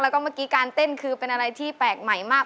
แล้วก็เมื่อกี้การเต้นคือเป็นอะไรที่แปลกใหม่มาก